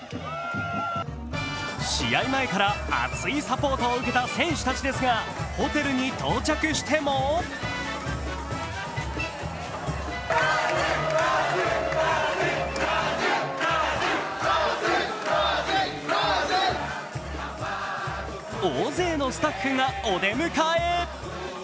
試合前から熱いサポートを受けた選手たちですがホテルに到着しても大勢のスタッフがお出迎え。